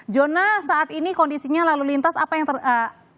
jona saat ini kondisinya lalu lintas apa yang terjadi